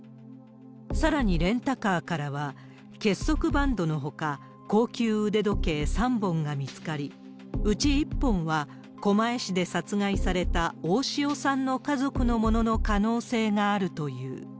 さらに、レンタカーからは、結束バンドのほか、高級腕時計３本が見つかり、うち１本は、狛江市で殺害された大塩さんの家族のものの可能性があるという。